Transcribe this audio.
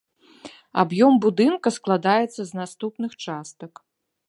Аб'ём будынка складаецца з наступных частак.